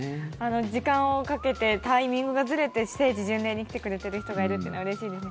時間をかけてタイミングがずれて聖地巡礼に来てくれてる人がいるっていうのはうれしいですね